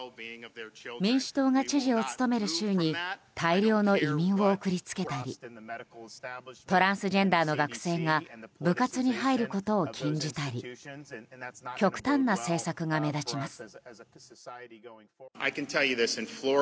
民主党が知事を務める州に大量の移民を送り付けたりトランスジェンダーの学生が部活に入ることを禁じたり極端な政策が目立ちます。